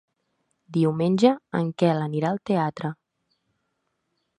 Diumenge en Quel anirà al teatre.